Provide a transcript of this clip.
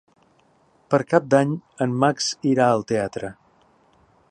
Per Cap d'Any en Max irà al teatre.